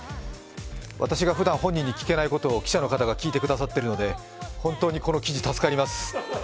私がふだん本人に聞けないことを記者の方が聞いてくださっているので本当にこの記事、助かります。